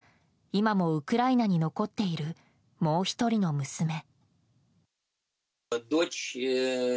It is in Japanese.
気がかりなのは今もウクライナに残っているもう１人の娘。